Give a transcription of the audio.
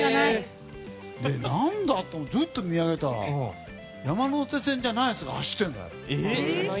何だ？と思ってふっと見上げたら山手線じゃないやつが走ってるんだよ。